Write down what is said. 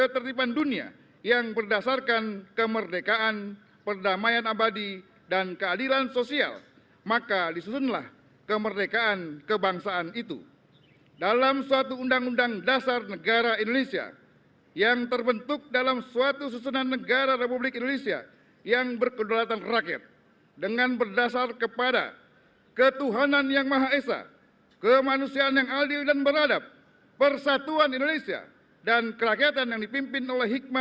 tanda kebesaran buka hormat senjata